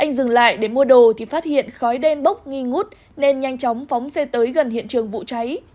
anh dừng lại để mua đồ thì phát hiện khói đen bốc nghi ngút nên nhanh chóng phóng xe tới gần hiện trường vụ cháy